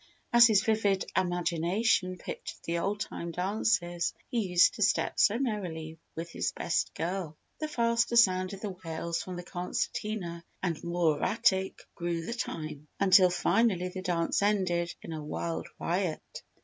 As his vivid imagination pictured the old time dances he used to step so merrily with his best girl, the faster sounded the wails from the concertina and more erratic grew the time, until finally, the dance ended in a wild riot.